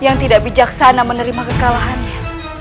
yang tidak bijaksana menerima kekalahannya